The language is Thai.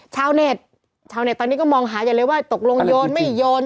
ชาวเน็ตชาวเน็ตตอนนี้ก็มองหาใหญ่เลยว่าตกลงโยนไม่โยน